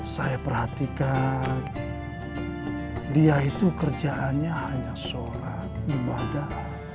saya perhatikan dia itu kerjaannya hanya sholat ibadah